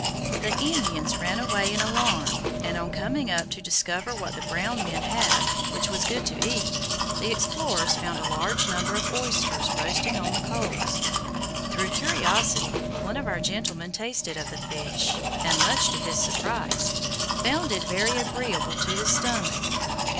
The Indians ran away in alarm, and, on coming up to discover what the brown men had which was good to eat, the explorers found a large number of oysters roasting on the coals. Through curiosity, one of our gentlemen tasted of the fish, and, much to his surprise, found it very agreeable to the stomach.